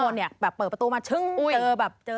หลายคนเปิดประตูมาเชิงเจอตัวเราเลย